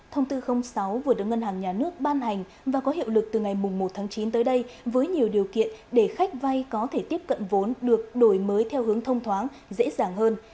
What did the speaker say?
thông tư sáu vừa được ngân hàng nhà nước ban hành và có hiệu lực từ ngày một tháng chín tới đây với nhiều điều kiện để khách vay có thể tiếp cận vốn được đổi mới theo hướng thông thoáng dễ dàng hơn